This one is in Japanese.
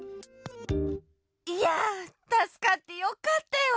いやたすかってよかったよ！